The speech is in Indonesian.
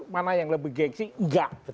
mana yang lebih gengsi enggak